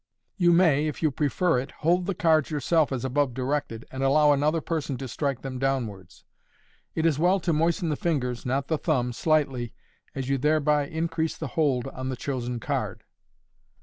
You may, if you prefer it, hold the cards yourself as above directed. MODERN MAGIC. 45 Fig. 29. and allow another person to strike them downwards. It is well to moisten the fingers (not the thumb) slightly, as you thereby increase the hold on the chosen card.